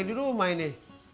di rumah gue